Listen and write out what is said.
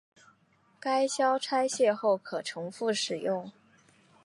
该销拆卸后可重复使用。